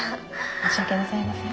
申し訳ございません。